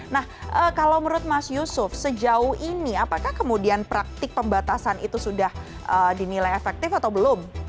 nah kalau menurut mas yusuf sejauh ini apakah kemudian praktik pembatasan itu sudah dinilai efektif atau belum